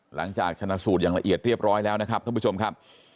หลังจากชนะสูตรอย่างละเอียดเรียบร้อยแล้วนะครับท่านผู้ชมครับ